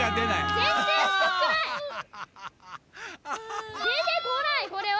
でてこないこれは。